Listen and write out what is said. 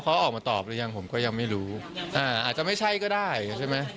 เขาออกมาตอบหรือยังผมก็ยังไม่รู้อ่าอาจจะไม่ใช่ก็ได้ใช่ไหม